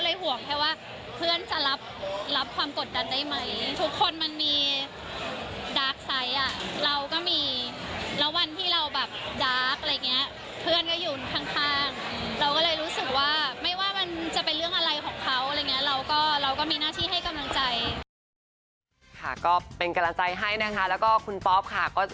เราก็เลยรู้สึกว่า